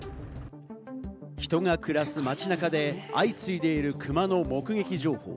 人が暮らす街中で相次いでいるクマの目撃情報。